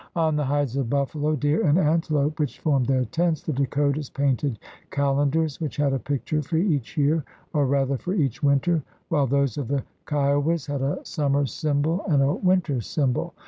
On the hides of buffalo, deer, and antelope which formed their tents, the Dakotas painted calendars, which had a picture for each year, or rather for each winter, while those of the Kiowas had a summer symbol and a winter symbol.